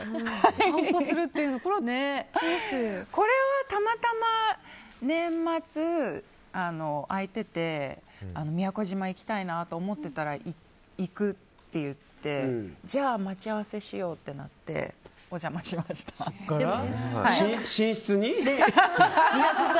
これはたまたま年末空いていて宮古島に行きたいって思ってたら行くって言ってじゃあ待ち合わせしようとなって寝室に？